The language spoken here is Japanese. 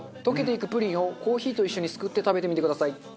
溶けていくプリンをコーヒーと一緒にすくって食べてみてください。